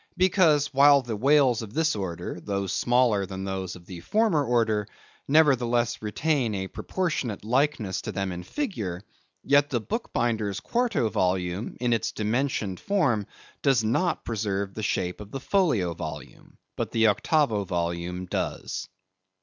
Because, while the whales of this order, though smaller than those of the former order, nevertheless retain a proportionate likeness to them in figure, yet the bookbinder's Quarto volume in its dimensioned form does not preserve the shape of the Folio volume, but the Octavo volume does.